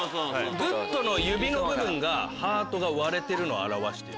グッドの指の部分がハートが割れてるのを表してる。